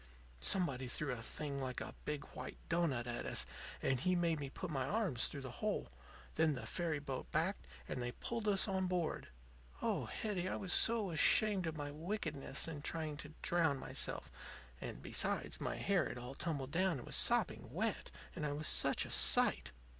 "Somebody threw a thing like a big, white doughnut at us, and he made me put my arms through the hole. Then the ferry boat backed, and they pulled us on board. Oh, Hetty, I was so ashamed of my wickedness in trying to drown myself; and, besides, my hair had all tumbled down and was sopping wet, and I was such a sight.